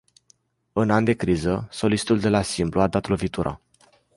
În an de criză, solistul de la Simplu a dat lovitura.